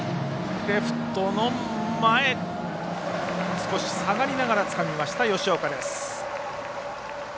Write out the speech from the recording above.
少し下がりながらつかみました、吉岡です。